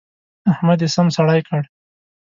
احمد يې سم سړی کړ.